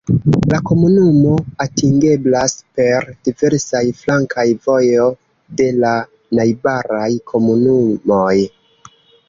La komunumo atingeblas per diversaj flankaj vojo de la najbaraj komunumoj.